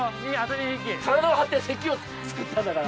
体を張って堰を作ったんだから。